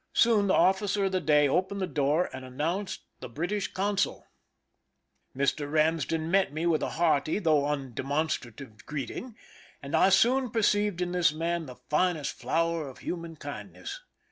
Soon the officer of the day opened the door and an nounced the British consul, Mr. Eamsden met me with a hearty though un demonstrative greeting, and I soon perceived in this man the finest flower of human kindness.